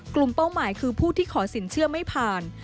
เป้าหมายคือผู้ที่ขอสินเชื่อไม่ผ่าน